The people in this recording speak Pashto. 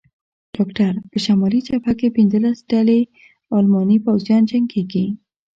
ډاکټر: په شمالي جبهه کې پنځلس ډلې الماني پوځیان جنګېږي.